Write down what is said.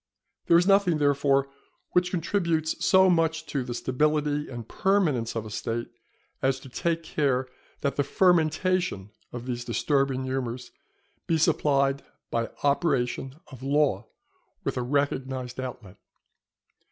There is nothing, therefore, which contributes so much to the stability and permanence of a State, as to take care that the fermentation of these disturbing humours be supplied by operation of law with a recognized outlet.